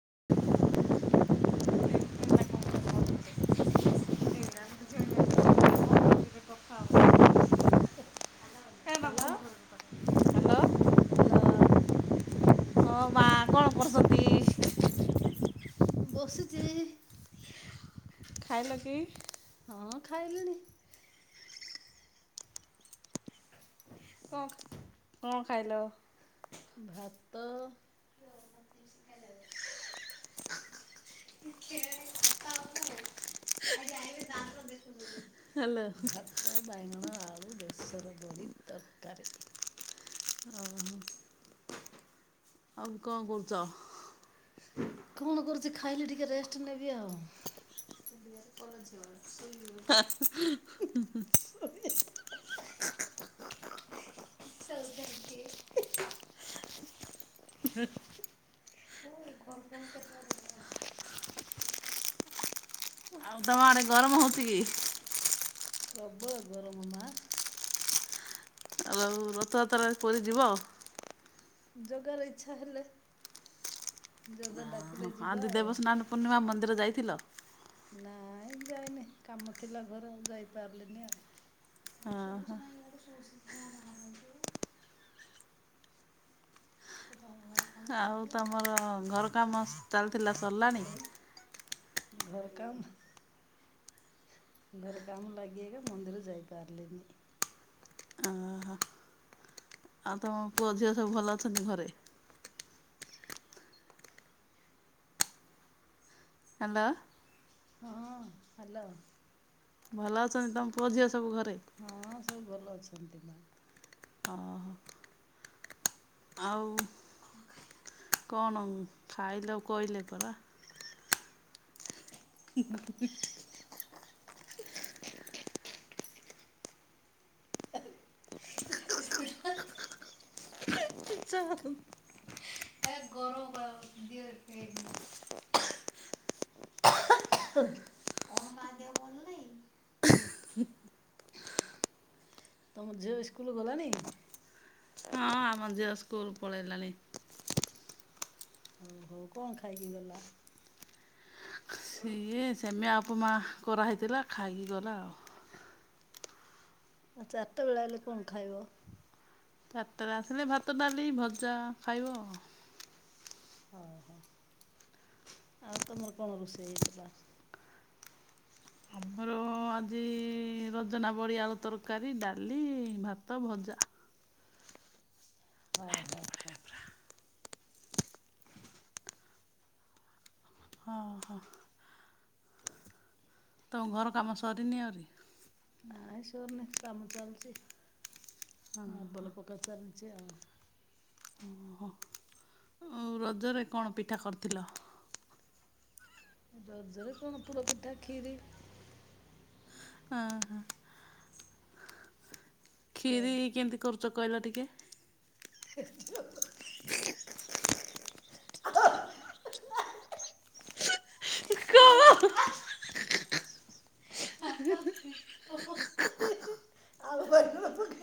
[inaudible] Hello hello. ହଁ ବା କଣ କରୁସତି? ବସୁଛି। ଖାଇଲ କିି? ହଁ ଖାଇଲିଣି। କଁ କଣ ଖାଇଲ? ଭାତ [inaudible] ହ୍ୟାଲୋ। ତ ବାଇଗଣ ଆଳୁ ବେସର ବଡ଼ି ତରକାରୀ। ଓ ହୋ ଆଉ କଣ କରୁଛ? କଣ କରୁଛି ଖାଇଲି ଟିକେ ରେଷ୍ଟ ନେବି ଆଉ? [unintelligible] [unintelligible] [unintelligible] [inaudible] ଆଉ ତମ ଆଡେ ଗରମ ହଉଛି କି? ପ୍ରବଳ ଗରମ ମା। ଆଉ ରଥଯାତ୍ରା ରେ ପୁରି ଯିବ। ଜଗାର ଇଛା ହେଲେ ଯୋଗାଡା ହଁ ଆଜି ଦେବସ୍ନାନ ପୂର୍ଣ୍ଣିମା ମନ୍ଦିର ଯାଇଥିଲ। ନାଇଁ ଯାଇନି କାମ ଥିଲା ଘରେ ଯାଇପାରିଲିନି ଆଉ। ହଁ ହୋ। [inaudible] ଆଉ ତମର ଘର କାମ ଚାଲିଥିଲା ସରିଲାଣି। ଘର କାମ। ଘର କାମ ଲାଗି ଏକ ମନ୍ଦିର ଯାଇପାରଲିନି। ଆଁ ହଁ। ଆଉ ତମ ପୁଅ ଝିଅ ସବୁ ଭଲ ଅଛନ୍ତି ଘରେ। ହ୍ୟାଲୋ। ହଁ ହ୍ୟାଲୋ। ଭଲ ଅଛନ୍ତି ତୁମ ପୁଅ ଝିଅ ସବୁ ଘରେ। ହଁ ସବୁ ଭଲ ଅଛନ୍ତି ମା। ଓ‌ହୋ। ଆଉ କଣ ଖାଇଲେ କହିଲେ ପରା? [unintelligible] [unintelligible] ଇଚ୍ଛା ଆଉ। [inaudible] [inaudible] [unintelligible] ତମ ଝିଅ ଇସ୍କୁଲ ଗଲାଣି? ହଁ ଆମ ଝିଅ ସ୍କୁଲ ପଳେଇଲାଣି। ହଉ ହଉ କଁ ଖାଇକି ଗଲା? ସିଏ ସେମିଆ ଉପମା କରାହୋଇଥିଲା ଖାଇକି ଗଲା ଆଉ। ଆଉ ଚାରିଟା ବେଳେ ଆଇଲେ କଣ ଖାଇବ? ଚାରିଟାରେ ଆସିଲେ ଭାତ, ଡାଲିି, ଭଜା ଖାଇବ। ଓହୋ ଆଉ ତମର କଣ ରୋଷେଇ ହେଇଥିଲା? ଆମର ଆଜି ରଜନାବଡ଼ି ଆଳୁ ତରକାରୀ, ଡାଲି, ଭାତ, ଭଜା। ଅ ହୋ ହ। ହଁ ହଁ। ତମ ଘର କାମ ସରିନି ଆହୁରି? ନାଇ ସରୁନି କାମ ଚାଲିଚି, ମାର୍ବଲ ପକା ଚାଲିଚି ଆଉ। ରଜରେ କଣ ପିଠା କରିଥିଲ? ରଜରେ କଣ ପୋଡ ପିଠା କ୍ଷୀରି। ଆ ହଁ। କ୍ଷୀରି କେମିତି କରୁଚ କହିଲା ଟିକେ? ସେ ଆଳୁ, ବାଇଗଣ ପକେଇ